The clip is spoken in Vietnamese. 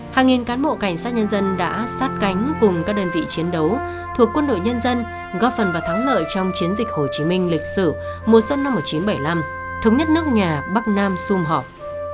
hàng nghìn cán bộ cảnh sát nhân dân đã sát cánh cùng các đơn vị chiến đấu thuộc quân đội nhân dân góp phần và thắng lợi trong chiến dịch hồ chí minh lịch sử mùa xuân năm một nghìn chín trăm bảy mươi năm thống nhất nước nhà bắc nam xung họp